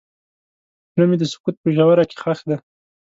زړه مې د سکوت په ژوره کې ښخ دی.